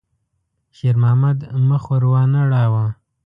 شېرمحمد مخ ور وانه ړاوه.